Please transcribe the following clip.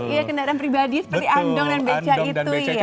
iya kendaraan pribadi seperti andong dan beca itu ya